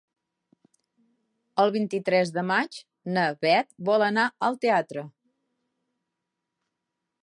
El vint-i-tres de maig na Bet vol anar al teatre.